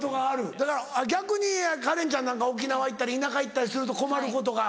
だから逆にカレンちゃんなんか沖縄行ったり田舎行ったりすると困ることが。